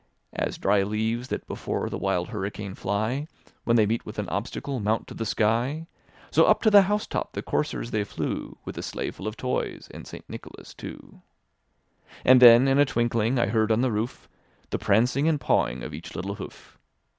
" As dry leaves that before the wild hurricane fly. When they meet with an obstacle, mount to the sky; So up to the housetop the coursers they flew. With the sleigh full of toys, and St. Nicholas, too. And then in a twinkling, I heard on the roof The prancing and pawing of each little hoof.